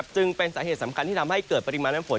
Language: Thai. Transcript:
จึงเป็นสาเหตุสำคัญที่ทำให้เกิดปริมาณน้ำฝน